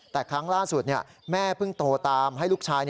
แต่ครั้งล่าสุดแม่เพิ่งโตตามให้ลูกชาย